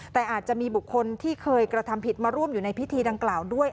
แต่อาจจะมีบุคคลที่เคยกระทำผิดมาร่วมอยู่ในพิธีดังกล่าวด้วย